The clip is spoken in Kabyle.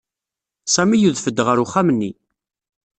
Sami yudef-d ɣer uxxam-nni.